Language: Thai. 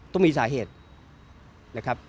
ต้องมีสาเหตุนะครับ